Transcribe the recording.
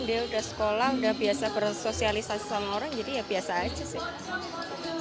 dia udah sekolah udah biasa bersosialisasi sama orang jadi ya biasa aja sih